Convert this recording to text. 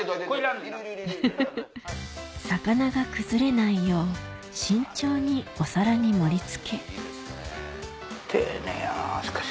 ウフフフ魚が崩れないよう慎重にお皿に盛り付け丁寧やなしかし。